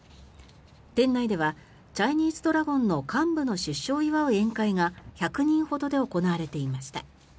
店内ではチャイニーズドラゴンの幹部の出所を祝う宴会が１００人ほどで行われていました。